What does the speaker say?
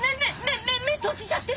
め目閉じちゃってる！